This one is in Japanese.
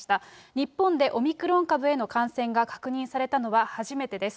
日本でオミクロン株への感染が確認されたのは、初めてです。